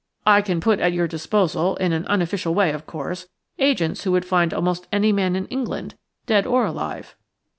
"I can put at your disposal, in an unofficial way, of course, agents who would find almost any man in England, dead or alive."